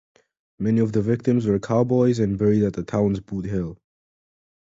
Many of the victims were cowboys and are buried at the town's Boot Hill.